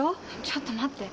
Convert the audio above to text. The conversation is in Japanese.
ちょっと待って。